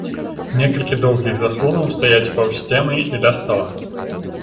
Некалькі доўгіх заслонаў стаяць паўз сцены і ля стала.